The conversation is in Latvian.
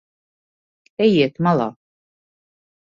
Ejiet malā.